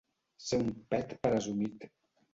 Ser un pet presumit.